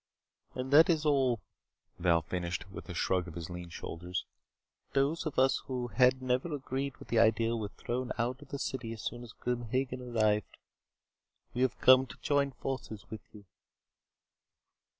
"And that is all," Val finished with a shrug of his lean shoulders. "Those of us who had never agreed with the idea were thrown out of the city as soon as Grim Hagen arrived. We have come to join forces with you."